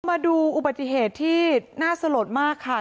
มาดูอุบัติเหตุที่น่าสลดมากค่ะ